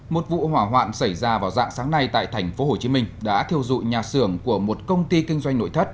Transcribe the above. một vụ hỏa hoạn xảy ra vào dạng sáng nay tại thành phố hồ chí minh đã thiêu dụi nhà xưởng của một công ty kinh doanh nội thất